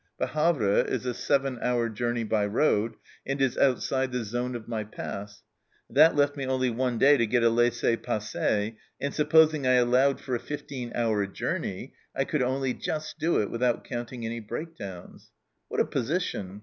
Hut Havre is a seven hour journey by road, and is outside the zone of my pass that left me only one day to get a laissez passer and supposing I allowed for a fifteen hour journey, I could only just do it without counting any break downs. What a position